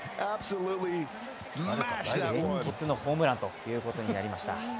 連日のホームランということになりました。